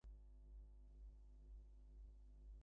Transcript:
The house was rented for filming.